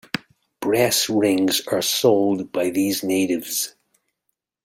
Brass rings are sold by these natives.